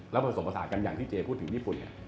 แล้วผสมภาษากันอย่างที่เจ๊พูดถึงนี่